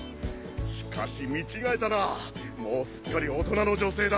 しかし見違えたなもうすっかり大人の女性だ。